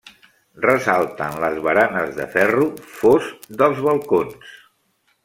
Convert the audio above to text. Ressalten les baranes de ferro fos dels balcons.